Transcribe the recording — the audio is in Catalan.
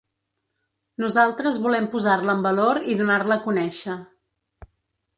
Nosaltres volem posar-la en valor i donar-la a conèixer.